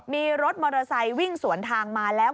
มีรถมอเตอร์ไซค์วิ่งสวนทางมาแล้ว